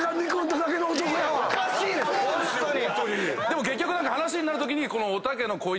でも結局話になるときに。